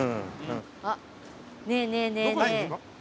あっねえねえねえねえ。